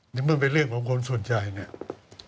ในเมื่อเป็นเรื่องของคนส่วนใหญ่เนี่ย